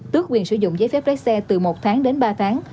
tước quyền sử dụng giấy phép lái xe từ một tháng đến ba tháng